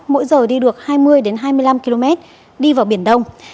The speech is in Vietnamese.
mỗi giờ đi được hai mươi hai mươi năm km đi vào biển đông